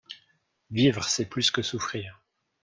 Vivre c’est plus que souffrir.